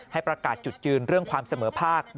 ให้ประกาศจุดยืนเรื่องความเสมอภาค